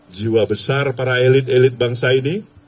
jiwa besar para elit elit bangsa ini